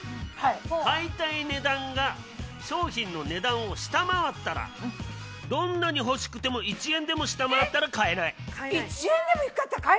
買いたい値段が商品の値段を下回ったらどんなに欲しくても１円でも下回ったら買えない。